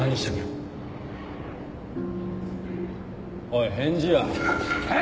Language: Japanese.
おい返事は？